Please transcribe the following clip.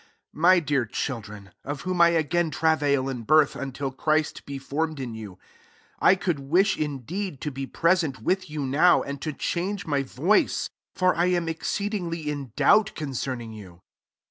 19 My dear children, of whom I again travail in birth, until Christ be formed in you; 20 I could wish, indeed, to. be present with you now, and to change my voice : for I am exceedingly in doubt concerning you.